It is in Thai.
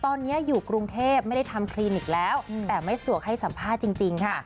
ตอนนี้อยู่กรุงเทพไม่ได้ทำคลินิกแล้วแต่ไม่สะดวกให้สัมภาษณ์จริงค่ะ